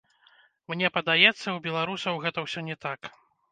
Мне падаецца, у беларусаў гэта ўсё не так.